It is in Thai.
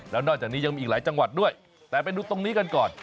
แล้วนอกจากนี้ยังมีอีกหลายจังหวัดด้วยแต่ไปดูตรงนี้กันก่อน